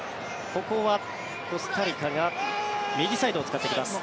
ここはコスタリカが右サイドを使ってきます。